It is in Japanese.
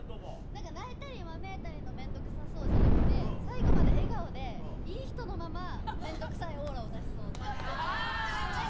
なんか泣いたりわめいたりの面倒くさそうじゃなくて、最後まで笑顔でいい人のまま面倒くさいオーラを出しそう。